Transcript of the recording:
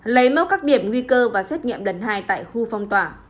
lấy mẫu các điểm nguy cơ và xét nghiệm lần hai tại khu phong tỏa